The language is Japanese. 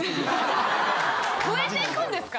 増えていくんですか？